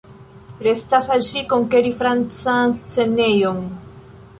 Restas al ŝi konkeri Francan scenejon.